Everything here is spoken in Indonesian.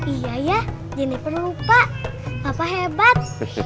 iya iya jennifer lupa papa hebat